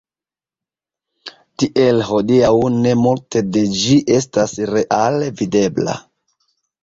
Tiel hodiaŭ ne multe de ĝi estas reale videbla.